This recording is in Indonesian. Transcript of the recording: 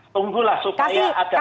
tunggulah supaya ada seri sedikit nih pak